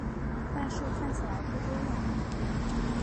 但是看起来不多呀